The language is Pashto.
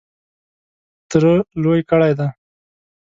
تره لوی کړی دی .